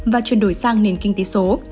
và chuyển đổi sang nền kinh tế số